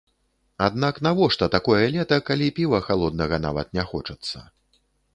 Аднак навошта такое лета, калі піва халоднага нават не хочацца?